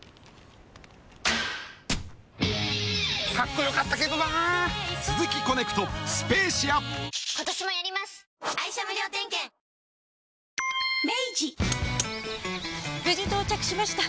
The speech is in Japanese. この後無事到着しました！